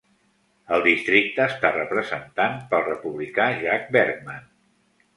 El districte està representant pel republicà Jack Bergman.